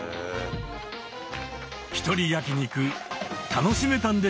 ひとり焼き肉楽しめたんでしょうか？